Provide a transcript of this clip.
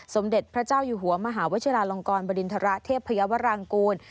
สมเด็จพระเจ้าอยู่หัวมหาวชิลาลงกรบริณฑระเทพยาวรางกูล